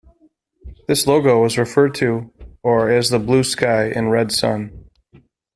This logo was referred to or as the "blue sky and red sun".